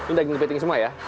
ini daging kepiting semua ya